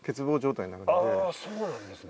あそうなんですね。